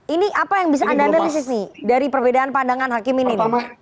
ini apa yang bisa anda analisis nih dari perbedaan pandangan hakim ini